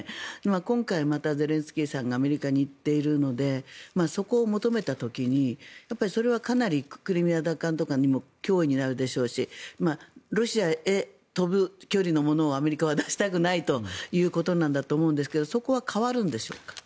今回またゼレンスキーさんがアメリカに行っているのでそこを求めた時に、それはかなりクリミア奪還とかにも脅威になるでしょうしロシアへ飛ぶ距離のものをアメリカは出したくないということなんだと思うんですがそこは変わるんでしょうか。